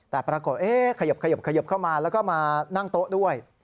แต่ปรากฏขยบเข้ามาแล้วก็มานั่งโต๊ะด้วย